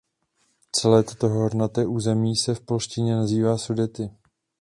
Celé toto hornaté území se v polštině nazývá "Sudety".